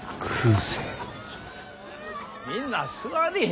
みんな座りん。